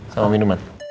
sama minuman ya